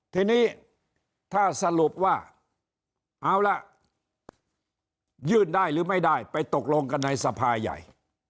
ทีนี้ถ้าสรุปว่าเอาล่ะยื่นได้หรือไม่ได้ไปตกลงกันในสภาใหญ่